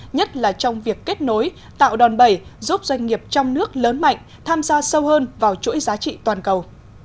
nhất là trong việc kết nối tạo đòn bẩy giúp doanh nghiệp trong nước lớn mạnh tham gia sâu hơn vào chuỗi giá trị toàn cầu